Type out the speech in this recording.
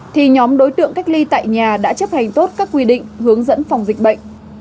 thì nhóm đối tượng cách ly tại nhà đã chấp hành tốt các quy định hướng dẫn phòng dịch bệnh